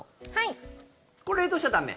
これは冷凍しちゃ駄目？